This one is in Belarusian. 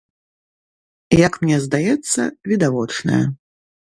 Як мне здаецца, відавочная.